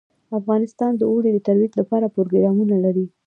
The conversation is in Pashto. افغانستان د اوړي د ترویج لپاره پروګرامونه لري.